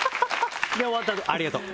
終わった後「ありがとう」。